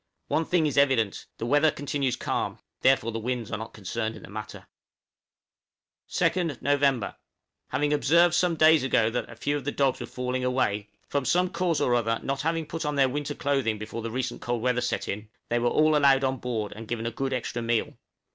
One thing is evident the weather continues calm, therefore the winds are not concerned in the matter. {NOV., 1857.} {THE DOGS INVADE US.} 2nd Nov. Having observed some days ago that a few of the dogs were falling away from some cause or other not having put on their winter clothing before the recent cold weather set in they were all allowed on board, and given a good extra meal.